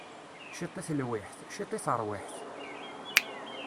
Ciṭ i telwiḥt, ciṭ i teṛwiḥt.